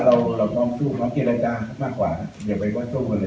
เราก็ความสู้ร้อนเกละจามากกว่าเดี๋ยวไปกว่าทุกคนเลย